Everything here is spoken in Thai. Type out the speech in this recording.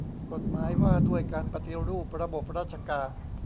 กฎหมายว่าด้วยการปฏิรูประบบราชการ